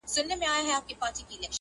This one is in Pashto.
زه او ته دواړه ښکاریان یو د عمرونو٫